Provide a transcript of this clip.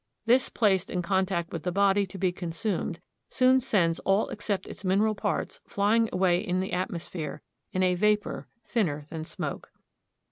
This placed in contact with the body to be consumed soon sends all except its mineral parts flying away in the atmosphere in a vapor thinner than smoke.